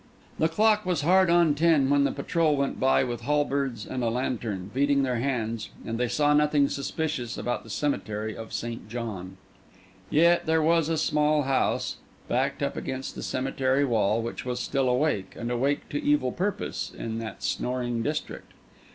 The clock was hard on ten when the patrol went by with halberds and a lantern, beating their hands; and they saw nothing suspicious about the cemetery of St. John. Yet there was a small house, backed up against the cemetery wall, which was still awake, and awake to evil purpose, in that snoring district.